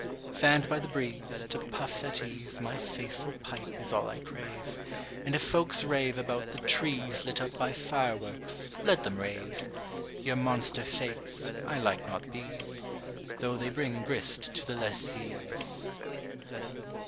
Fann'd by the breeze, to puff at ease My faithful pipe is all I crave: And if folks rave about the "trees Lit up by fireworks," let them rave. Your monster fêtes, I like not these; Though they bring grist to the lessees.